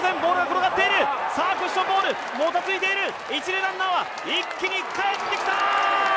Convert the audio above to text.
クッションボールもたついている１塁ランナーは一気に帰ってきたー！